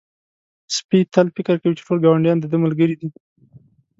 سپی تل فکر کوي چې ټول ګاونډیان د ده ملګري دي.